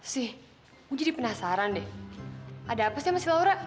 si aku jadi penasaran deh ada apa sih sama si laura